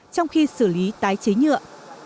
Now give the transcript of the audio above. trong khi xử lý tái chế nhựa